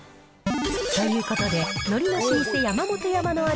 ということで、のりの老舗、山本山の味